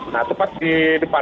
nah tepat di depan